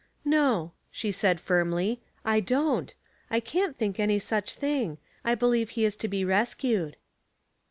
"No," she said, firmly, "I don't. I can't think any such thing. 1 believe he is to be res cued."